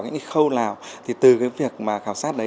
những cái khâu nào thì từ cái việc mà khảo sát đấy